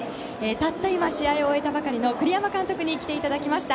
たった今、試合を終えたばかりの栗山監督に来ていただきました。